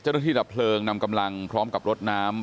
เจ้านักที่ดับเพลิงนำกำลังเพราะกับรถน้ำ